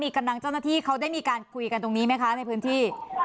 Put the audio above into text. กำลังเจ้าหน้าที่เขาได้มีการคุยกันตรงนี้ไหมคะในพื้นที่